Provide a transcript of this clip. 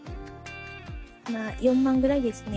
まあ４万ぐらいですね。